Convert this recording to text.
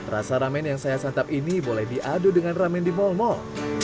rasa ramen yang saya santap ini boleh diadu dengan ramen di mal mal